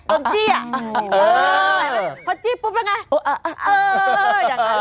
เห็นไหมพอจิ้งปุ๊บแล้วไงอย่างนั้นแหละ